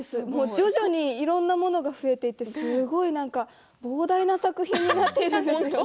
徐々にいろんなものが増えていて、すごい膨大な作品になっているんです。